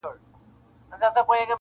مطرب رباب د سُر او تال خوږې نغمې لټوم,